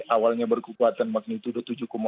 awalnya berkekuatan magnitudo tujuh empat